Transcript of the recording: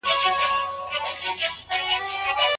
بد بوی لرونکي خواړه مه کاروئ.